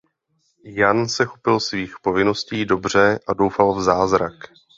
Jan se chopil svých povinností dobře a doufal v zázrak.